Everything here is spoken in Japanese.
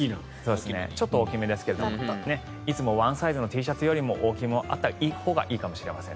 ちょっと大きめですけどいつもワンサイズのＴシャツよりも大きめもあったほうがいいかもしれません。